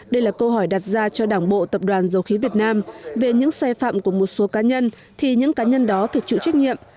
đây là câu hỏi đặt ra cho đảng bộ tập đoàn dầu khí việt nam về những sai phạm của một số cá nhân thì những cá nhân đó phải chịu trách nhiệm